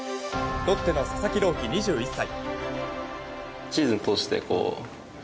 ロッテの佐々木朗希、２１歳。